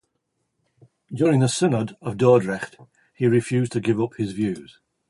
During the synod of Dordrecht he refused to give up his views.